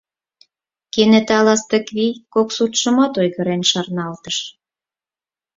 Кенета Ластыквий кок суртшымат ойгырен шарналтыш.